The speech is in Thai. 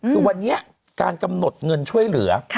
คือวันนี้การกำหนดเงินช่วยเหลือ